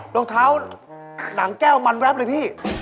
รองเท้าหนังแก้วมันแป๊บเลยพี่